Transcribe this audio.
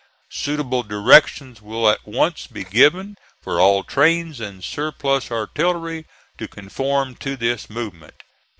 Suitable directions will at once be given for all trains and surplus artillery to conform to this movement.